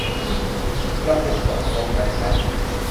กระปุกดอทคอมได้คัด